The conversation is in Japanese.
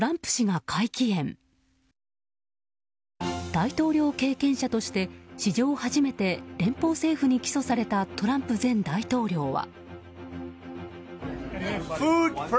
大統領経験者として史上初めて連邦政府に起訴されたトランプ前大統領は。